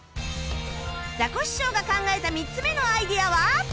ザコシショウが考えた３つ目のアイデアは